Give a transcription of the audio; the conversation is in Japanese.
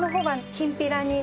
きんぴら！